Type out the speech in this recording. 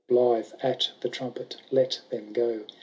Blithe at the trumpet let them go.